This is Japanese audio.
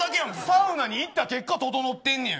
サウナに行った結果ととのってんやん。